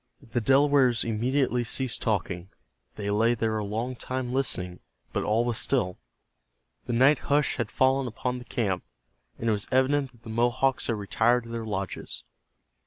The Delawares immediately ceased talking. They lay there a long time listening, but all was still. The night hush had fallen upon the camp, and it was evident that the Mohawks had retired to their lodges.